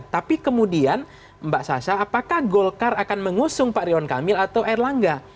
tapi kemudian mbak sasa apakah golkar akan mengusung pak rion kamil atau erlangga